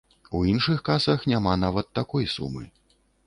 У іншых касах няма нават такой сумы.